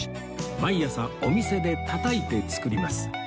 毎朝お店でたたいて作ります